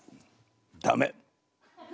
ダメ？